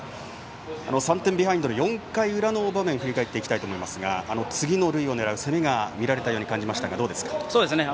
３点ビハインドの４回裏の場面を振り返りたいと思いますが次の塁を狙う攻めが見られたように感じましたがどうでしたか。